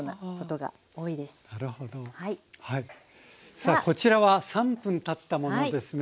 さあこちらは３分たったものですね。